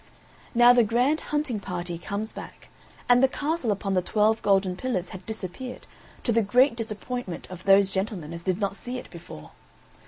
Now the grand hunting party comes back, and the castle upon the twelve golden pillars had disappeared, to the great disappointment of those gentlemen as did not see it before.